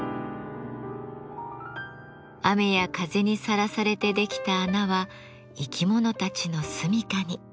雨や風にさらされてできた穴は生き物たちのすみかに。